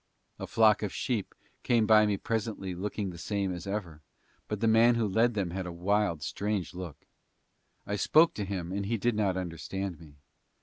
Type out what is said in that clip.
A flock of sheep came by me presently looking the same as ever, but the man who led them had a wild, strange look. I spoke to him and he did not understand me.